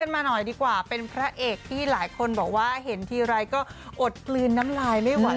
มาหน่อยดีกว่าเป็นพระเอกที่หลายคนบอกว่าเห็นทีไรก็อดกลืนน้ำลายไม่ไหว